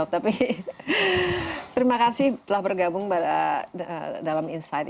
tapi terima kasih telah bergabung dalam insight